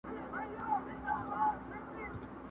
سي خوراک د توتکیو د مرغانو؛